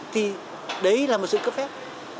thì đấy là một sự cấp phép